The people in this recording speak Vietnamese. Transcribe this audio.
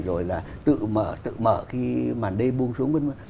rồi là tự mở khi màn đêm buông xuống vân vân